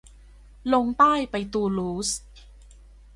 ลงใต้ไปตูลูส